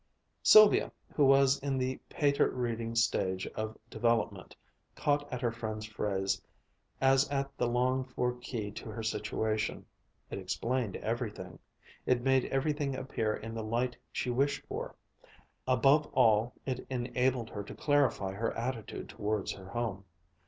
Sylvia, who was in the Pater reading stage of development, caught at her friend's phrase as at the longed for key to her situation. It explained everything. It made everything appear in the light she wished for. Above all it enabled her to clarify her attitude towards her home.